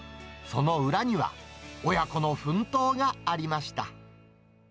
その裏には、親子の奮闘がありました。